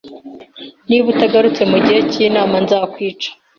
Niba utagarutse mugihe cyinama , nzakwica.